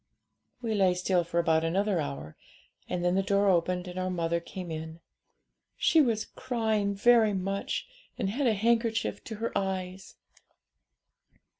'We lay still for about another hour, and then the door opened, and our mother came in. She was crying very much, and had a handkerchief to her eyes.